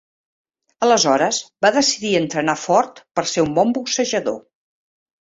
Aleshores va decidir entrenar fort per ser un bon boxejador.